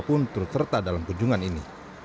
pun turut serta dalam kunjungan ini